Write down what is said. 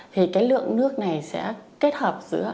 thì cái lượng nước này sẽ kết hợp giữa